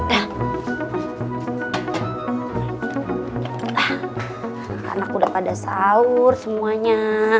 karena aku udah pada sahur semuanya